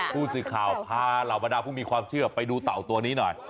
ผู้สื่อข่าวพาเหล่าบรรดาผู้มีความเชื่อไปดูเต่าตัวนี้หน่อย